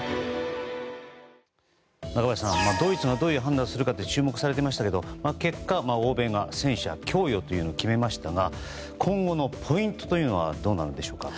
中林さん、ドイツがどういう判断をするか注目されていましたが結果、欧米が戦車を供与というのを決めましたが今後のポイントというのはどうなんでしょうか。